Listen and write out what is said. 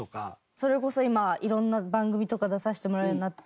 それこそ今色んな番組とか出させてもらうようになって。